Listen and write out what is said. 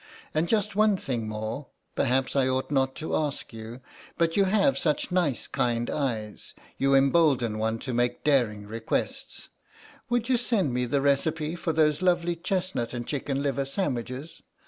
And just one thing more—perhaps I ought not to ask you, but you have such nice kind eyes, you embolden one to make daring requests, would you send me the recipe for those lovely chestnut and chicken liver sandwiches?